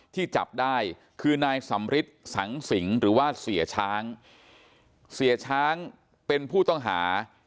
จับได้คือนายสำริทสังสิงหรือว่าเสียช้างเสียช้างเป็นผู้ต้องหา